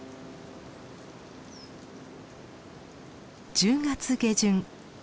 １０月下旬。